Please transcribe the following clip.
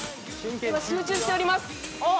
集中しております。